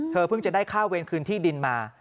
เพิ่งจะได้ค่าเวรคืนที่ดินมา